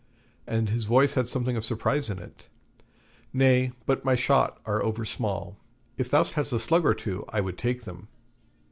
And his voice had something of surprise in it. 'Nay, but my shot are over small; if thou hast a slug or two, I would take them.'